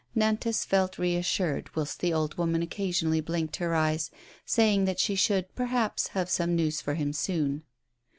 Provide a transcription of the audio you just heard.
Nantas felt reassured, whilst the old woman occasionally blinked her eyes, saying that she should, perhaps, have some news for him soon.